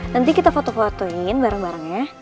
nanti kita foto fotoin bareng bareng ya